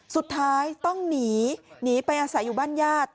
สุดท้ายต้องหนีหนีไปอาศัยอยู่บ้านญาติ